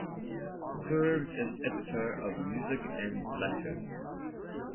He served as editor of "Music and Letters".